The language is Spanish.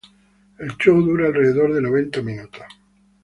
El "show" dura alrededor de noventa minutos.